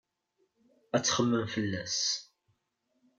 Ad txemmem fell-as.